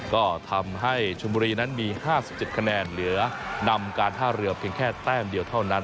ก็ทำให้ชมบุรีนั้นมี๕๗คะแนนเหลือนำการท่าเรือเพียงแค่แต้มเดียวเท่านั้น